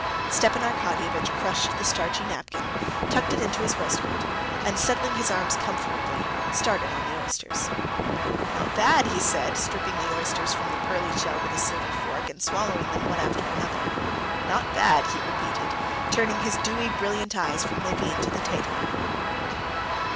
Stepan Arkadyevitch crushed the starchy napkin, tucked it into his waistcoat, and settling his arms comfortably, started on the oysters. "Not bad," he said, stripping the oysters from the pearly shell with a silver fork, and swallowing them one after another. "Not bad," he repeated, turning his dewy, brilliant eyes from Levin to the Tatar.